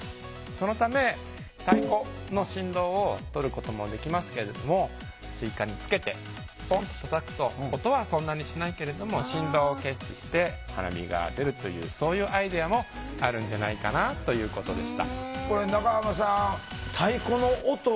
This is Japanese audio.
そのため太鼓の振動をとることもできますけれどもスイカにつけてポンとたたくと音はそんなにしないけれども振動を検知して花火が出るというそういうアイデアもあるんじゃないかなということでした。